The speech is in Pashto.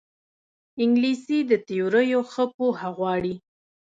انګلیسي د توریو ښه پوهه غواړي